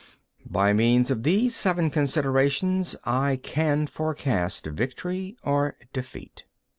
14. By means of these seven considerations I can forecast victory or defeat.